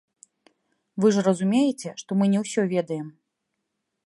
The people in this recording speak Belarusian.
Вы ж разумееце, што мы не ўсё ведаем.